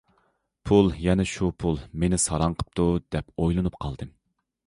‹‹ پۇل، يەنە شۇ پۇل مېنى ساراڭ قىپتۇ›› دەپ ئويلىنىپ قالدىم.